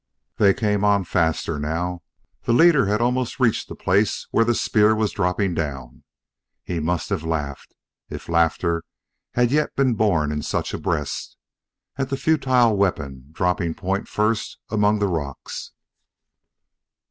They came on faster now; the leader had almost reached the place where the spear was dropping down. He must have laughed, if laughter had yet been born in such a breast, at the futile weapon dropping point first among the rocks.